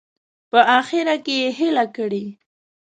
په اخره کې یې هیله کړې.